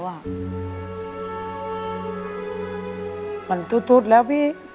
จนดึงมันทุดแล้วพี่